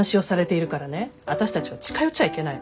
私たちは近寄っちゃいけない。